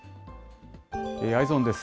Ｅｙｅｓｏｎです。